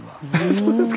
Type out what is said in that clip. そうですか。